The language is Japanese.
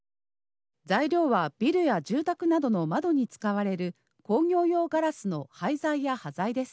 材料はビルや住宅などの窓に使われる工業用ガラスの廃材や端材です。